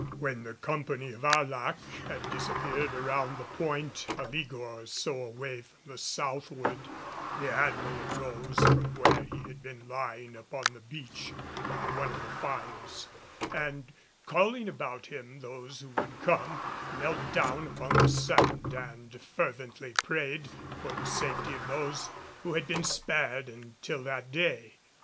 When the company of Arlac had disappeared around the point a league or so away to the southward, the Admiral arose from where he had been lying upon the beach by one of the fires and, calling about him those who would come, knelt down upon the sand and fervently prayed for the safety of those who had been spared until that day.